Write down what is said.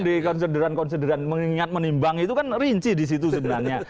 di konsideran konsideran mengingat menimbang itu kan rinci disitu sebenarnya